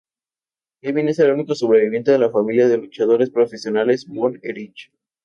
Kevin es el único sobreviviente de la familia de luchadores profesionales Von Erich.